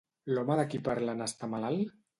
L'home de qui parlen està malalt?